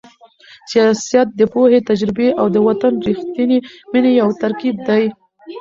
سیاست د پوهې، تجربې او د وطن د رښتینې مینې یو ترکیب دی.